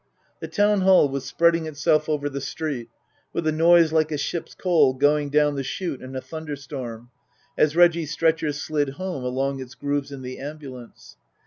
The Town Hall was spreading itself over the street, with a noise like a ship's coal going down the shute in a thunderstorm, as Reggie's stretcher slid home along its grooves in the ambulance.